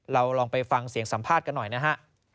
ลองไปฟังเสียงสัมภาษณ์กันหน่อยนะฮะ